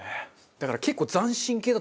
だから結構。